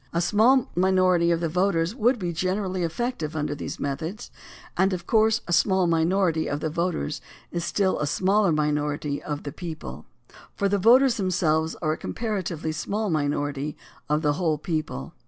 A small minority of the voters would be generally effective under these methods, and of course a small minority of the voters is a still smaller minority of the people, for the voters themselves are a comparatively small minority of the whole people.